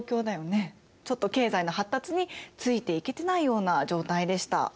ちょっと経済の発達についていけてないような状態でした。